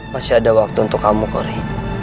masih ada waktu untuk kamu ko ri